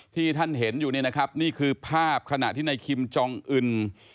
ที่ท่านเห็นอยู่เนี่ยนะครับนี่คือภาพขณะที่ในคิมจองอึน